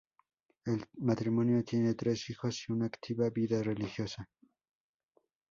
El matrimonio tiene tres hijos y una activa vida religiosa.